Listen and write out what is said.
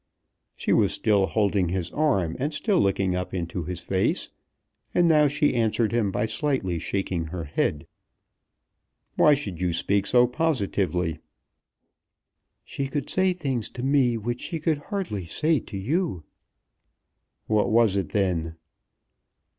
She was still holding his arm, and still looking up into his face, and now she answered him by slightly shaking her head. "Why should you speak so positively?" "She could say things to me which she could hardly say to you." "What was it then?"